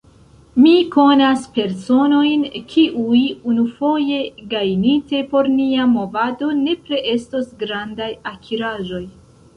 Mi konas personojn, kiuj, unufoje gajnite por nia movado, nepre estos grandaj akiraĵoj.